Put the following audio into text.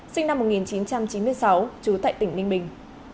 sinh năm một nghìn chín trăm chín mươi sáu trú tại tỉnh ninh bình